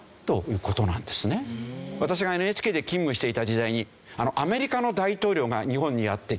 私がＮＨＫで勤務していた時代にアメリカの大統領が日本にやって来た。